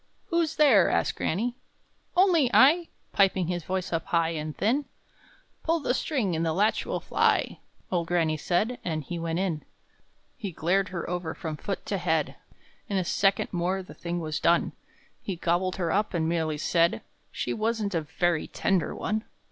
"Who's there?" asked granny. "Only I!" Piping his voice up high and thin. "Pull the string, and the latch will fly!" Old granny said; and he went in. He glared her over from foot to head; In a second more the thing was done! He gobbled her up, and merely said, "She wasn't a very tender one!"